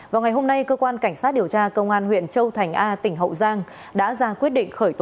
vào ngày hôm nay cơ quan cảnh sát điều tra công an huyện châu thành a tỉnh hậu giang đã ra quyết định khởi tố